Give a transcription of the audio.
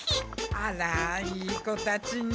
あらいい子たちね。